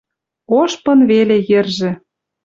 Ош пын веле йӹржӹ.